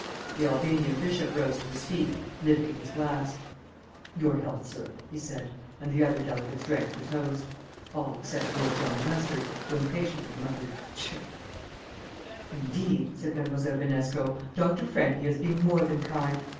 The Albanian Bishop rose to his feet, lifting his glass. "Your health, sir," he said, and the other delegates drank the toast. (All except Lord John Lester, who impatiently muttered "Pshaw!") "Indeed," said Mlle. Binesco, "Dr. Franchi has been more than kind.